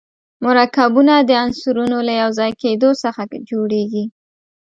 مرکبونه د عنصرونو له یو ځای کېدو څخه جوړیږي.